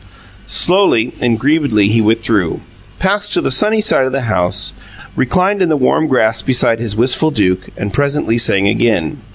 Slowly and grievedly he withdrew, passed to the sunny side of the house, reclined in the warm grass beside his wistful Duke, and presently sang again.